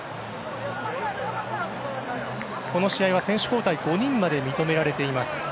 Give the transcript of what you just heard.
この試合は選手交代が５人まで認められています。